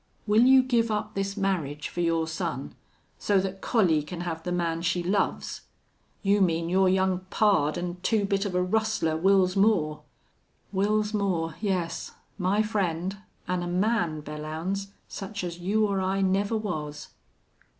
Will you give up this marriage for your son so that Collie can have the man she loves?" "You mean your young pard an' two bit of a rustler Wils Moore?" "Wils Moore, yes. My friend, an' a man, Belllounds, such as you or I never was."